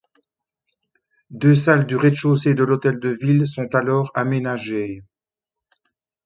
Deux salles du rez-de-chaussée de l’hôtel de ville sont alors aménagées.